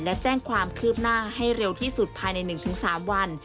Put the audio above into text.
และแจ้งความคืบหน้าให้เร็วที่สุดภายในหนึ่งถึงสามวัน